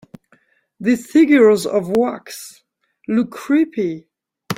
These figures of wax look creepy.